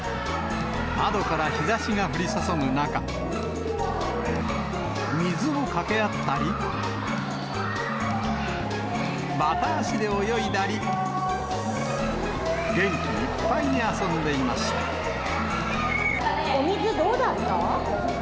窓から日ざしが降り注ぐ中、水をかけ合ったり、バタ足で泳いだり、元気いっぱいに遊んでいまお水どうだった？